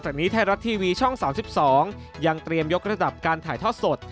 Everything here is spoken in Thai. นี้ไทยรัฐทีวีช่อง๓๒ยังเตรียมยกระดับการถ่ายทอดสด